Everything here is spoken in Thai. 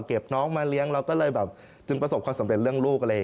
เก็บน้องมาเลี้ยงเราก็เลยจึงประสบความสำเร็จเรื่องลูก